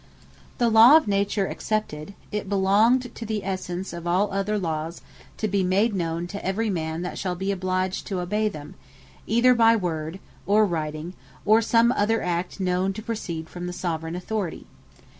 The Law of Nature excepted, it belongeth to the essence of all other Lawes, to be made known, to every man that shall be obliged to obey them, either by word, or writing, or some other act, known to proceed from the Soveraign Authority.